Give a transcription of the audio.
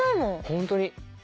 本当に。